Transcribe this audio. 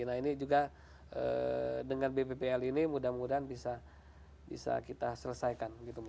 nah ini juga dengan bppl ini mudah mudahan bisa kita selesaikan